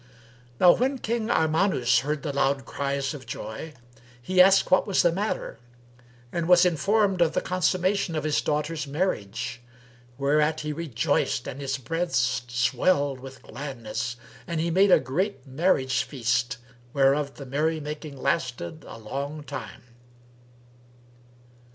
Now when King Armanus heard the loud cries of joy, he asked what was the matter and was informed of the consummation of his daughter's marriage; whereat he rejoiced and his breast swelled with gladness and he made a great marriage feast whereof the merry making lasted a long time.